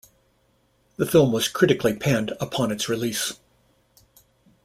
The film was critically panned upon its release.